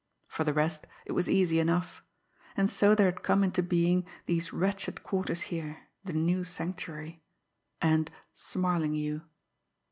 For the rest, it was easy enough; and so there had come into being these wretched quarters here, the New Sanctuary and Smarlinghue.